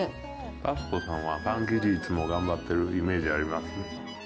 パスコさんは、パン生地いつも頑張ってるイメージあります。